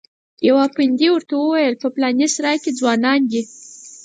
یوه پندي ورته وویل په پلانې سرای کې ځوانان دي.